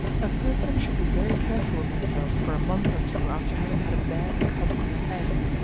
A person should be very careful of himself for a month or two after having had a bad cut on the head.